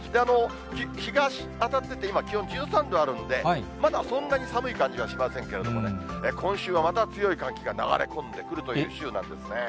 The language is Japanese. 日が当たってて、今気温１３度あるんで、まだそんなに寒い感じはしませんけどもね、今週はまた強い寒気が流れ込んでくるという週なんですね。